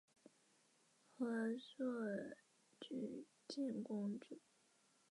和硕悫靖公主。